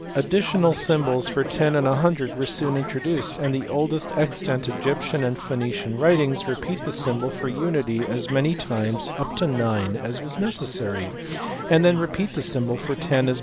Additional symbols for 10 and 100 were soon introduced : and the oldest extant Egyptian and Phoenician writings repeat the symbol for unity as many times (up to 9) as was necessary, and then repeat the symbol for ten as * Edition of 1610, pp.